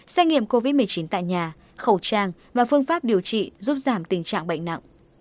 xét nghiệm covid một mươi chín tại nhà khẩu trang và phương pháp điều trị giúp giảm tình trạng bệnh nặng